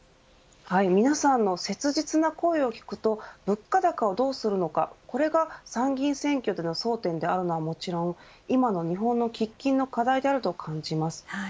皆さんの切実な声を聞くと物価高をどうするのか、これが参議院選挙での争点であるのはもちろん今の日本の喫緊の課題であると感じます。